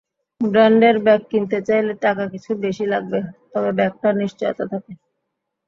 ব্র্যান্ডের ব্যাগ কিনতে চাইলে টাকা কিছু বেশি লাগবে, তবে ব্যাগটার নিশ্চয়তা থাকে।